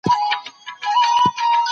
د ریاضي علومو لپاره جلا څېړني کیږي.